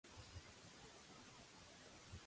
T'estava escrivint, Esther.